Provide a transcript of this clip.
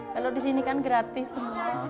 kalau di sini kan gratis semua